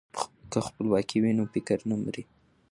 که خپلواکي وي نو فکر نه مري.